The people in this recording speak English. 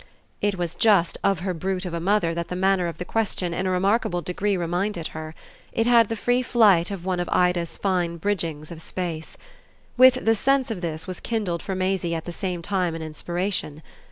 It was just of her brute of a mother that the manner of the question in a remarkable degree reminded her: it had the free flight of one of Ida's fine bridgings of space. With the sense of this was kindled for Maisie at the same time an inspiration.